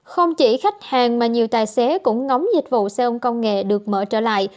không chỉ khách hàng mà nhiều tài xế cũng ngóng dịch vụ xe ôn công nghệ được mở trở lại